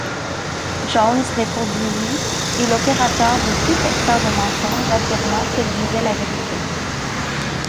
Jones répondit oui et l'opérateur du détecteur de mensonges affirma qu'elle disait la vérité.